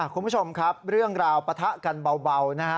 คุณผู้ชมครับเรื่องราวปะทะกันเบานะฮะ